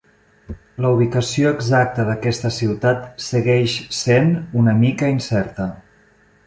La ubicació exacta d'aquesta ciutat segueix sent una mica incerta.